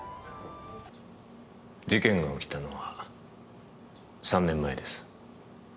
事件が起きたのは３年前です。